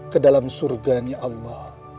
kedalam surganya allah